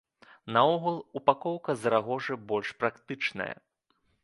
Наогул, упакоўка з рагожы больш практычная.